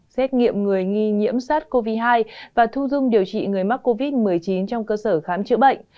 xét nghiệm người nghi nhiễm sát covid một mươi chín và thu dung điều trị người mắc covid một mươi chín trong cơ sở khám chữa bệnh